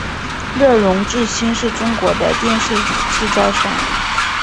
乐融致新是中国的电视制造商。